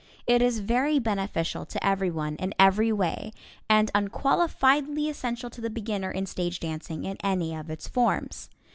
It is very beneficial to everyone in every way, and unqualifiedly essential to the beginner in stage dancing in any of its forms.